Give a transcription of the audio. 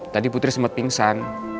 tadi putri sempet pingsan